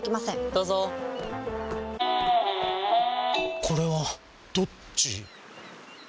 どうぞこれはどっち？